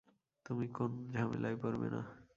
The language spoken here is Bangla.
তুমি কোন ঝামেলায় পড়বে না।